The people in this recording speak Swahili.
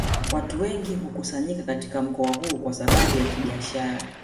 Watu wengi hukusanyika katika mkoa huu kwa sababu ya kibiashara